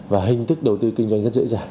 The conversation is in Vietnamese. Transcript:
và hình thức đầu tư kinh doanh rất dễ dàng